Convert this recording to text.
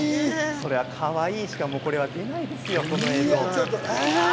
それは、かわいいしか出ないですよ、この映像。